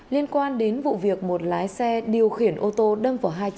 liên quan đến vụ việc một lái xe điều khiển ô tô đâm vào hai cháu